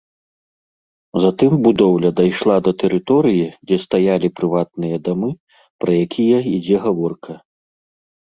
Затым будоўля дайшла да тэрыторыі, дзе стаялі прыватныя дамы, пра якія ідзе гаворка.